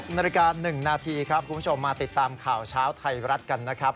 นาฬิกา๑นาทีครับคุณผู้ชมมาติดตามข่าวเช้าไทยรัฐกันนะครับ